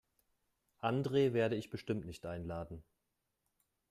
Andre werde ich bestimmt nicht einladen.